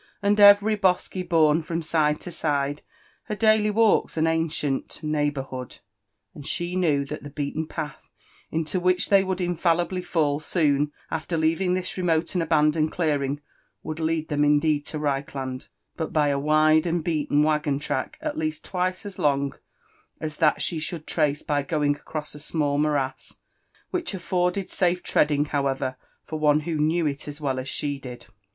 And eyery bosky bourn from sit^e to sJide^ Her daily walks, and ancient neighbourhood.*^ ^nd sh^ knew that the l>ealen path it^to which they would infallibi] fall soon after leaving this remote and abandoned clearing would lead them indeed lo Reichland, but by a wide and beaten waggou*irajck, at least twjc^ as long as that she should t^race by going ^0TO^ a small Qiorass, which adorned ^fe treadii\g, however, foe w^ who koiow tt |B well as she did.